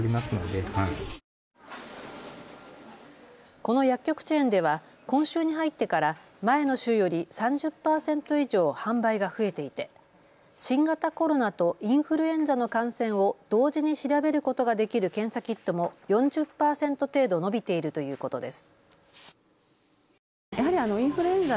この薬局チェーンでは今週に入ってから前の週より３０％以上、販売が増えていて新型コロナとインフルエンザの感染を同時に調べることができる検査キットも４０％程度伸びているということです。